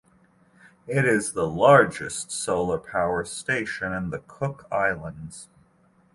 It is the largest solar power station in the Cook Islands.